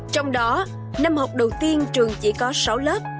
trong đó năm học đầu tiên trường chỉ có sáu lớp